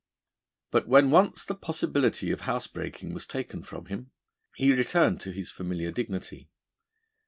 But, when once the possibility of housebreaking was taken from him, he returned to his familiar dignity.